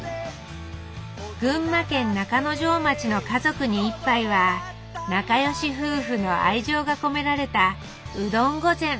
群馬県中之条町の「家族に一杯」は仲良し夫婦の愛情が込められた「うどん御膳」。